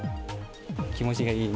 気持ちがいい。